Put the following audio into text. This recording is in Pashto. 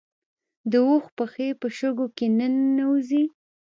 د اوښ پښې په شګو کې نه ننوځي